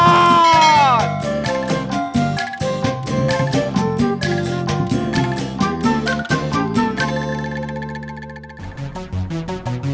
kasih kasih kasih